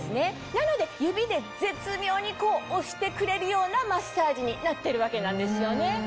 なので指で絶妙に押してくれるようなマッサージになってるわけなんですよね。